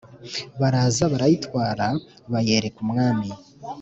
Baraza, barayitwara, bayereka umwami.